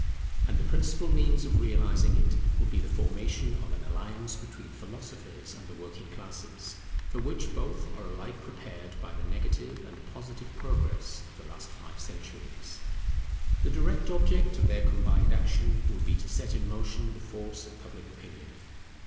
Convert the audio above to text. And the principal means of realizing it will be the formation of an alliance between philosophers and the working classes, for which both are alike prepared by the negative and positive progress of the last five centuries. [Their combined efforts result in the formation of Public Opinion] The direct object of their combined action will be to set in motion the force of Public Opinion.